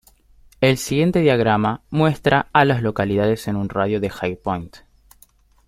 El siguiente diagrama muestra a las localidades en un radio de de High Point.